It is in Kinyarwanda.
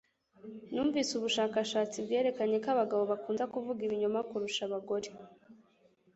Numvise ubushakashatsi bwerekanye ko abagabo bakunda kuvuga ibinyoma kurusha abagore